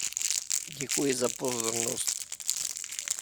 Děkuji za pozornost.